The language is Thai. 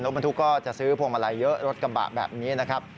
บรรทุกก็จะซื้อพวงมาลัยเยอะรถกระบะแบบนี้นะครับ